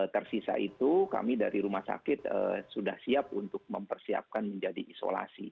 tersisa itu kami dari rumah sakit sudah siap untuk mempersiapkan menjadi isolasi